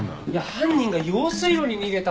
犯人が用水路に逃げたんっすよ。